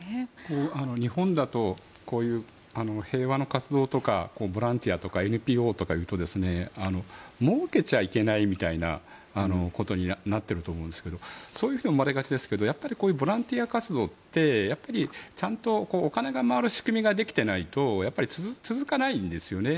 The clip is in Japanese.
日本だとこういう平和の活動とかボランティアとかＮＰＯというともうけちゃいけないみたいなことになってると思うんですけどそういうふうに思われがちですけどこういうボランティア活動ってちゃんとお金が回る仕組みができていないとやっぱり続かないんですよね。